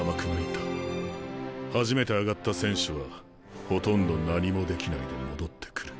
初めて上がった選手はほとんど何もできないで戻ってくる。